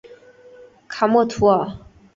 卡默图尔。